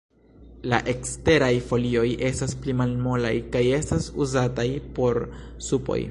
La eksteraj folioj estas pli malmolaj, kaj estas uzataj por supoj.